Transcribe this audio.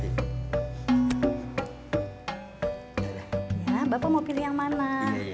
ya bapak mau pilih yang mana